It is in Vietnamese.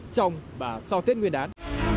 trong và sau tết nguyên đán